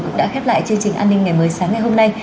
cũng đã khép lại chương trình an ninh ngày mới sáng ngày hôm nay